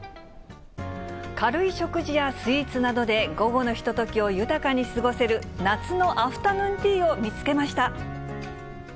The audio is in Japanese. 軽い食事やスイーツなどで、午後のひとときを豊かに過ごせる、夏のアフタヌーンティーを見つけました。